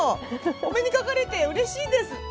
お目にかかれて嬉しいです。